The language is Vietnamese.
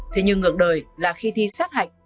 thế nhưng ngược đời là khi thi sát hạch